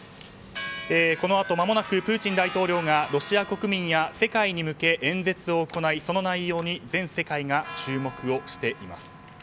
このあとまもなくプーチン大統領がロシア国民や世界に向け演説を行いその内容に全世界が注目をしています。